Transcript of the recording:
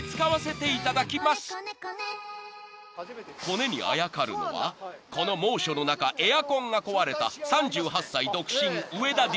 ［コネにあやかるのはこの猛暑の中エアコンが壊れた］